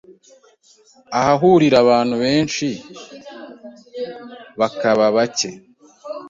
ahahurira abantu benshi bakaba bake,